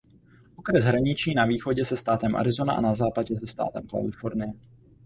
Okres hraničí na východě se státem Arizona a na západě se státem Kalifornie.